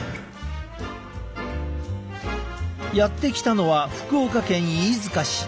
やって来たのは福岡県飯塚市。